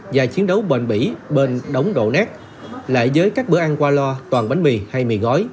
và chiến đấu bền bỉ bên đống đổ nát lại với các bữa ăn qua lo toàn bánh mì hay mì gói